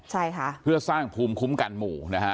ใช่ค่ะเพื่อสร้างภูมิคุ้มกันหมู่นะฮะ